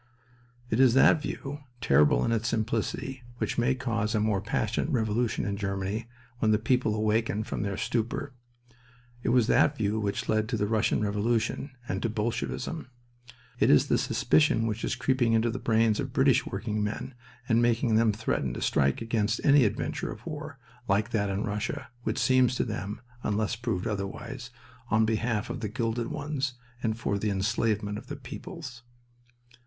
It is that view, terrible in its simplicity, which may cause a more passionate revolution in Germany when the people awaken from their stupor. It was that view which led to the Russian Revolution and to Bolshevism. It is the suspicion which is creeping into the brains of British working men and making them threaten to strike against any adventure of war, like that in Russia, which seems to them (unless proved otherwise) on behalf of the "gilded ones" and for the enslavement of the peoples.